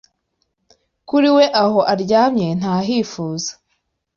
kuri we aho aryamye ntahifuza